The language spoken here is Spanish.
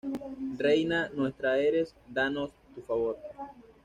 Reina nuestra eres, danos tu favor.